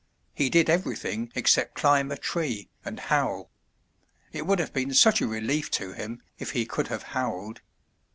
He did everything except climb a tree, and howl. It would have been such a relief to him if he could have howled.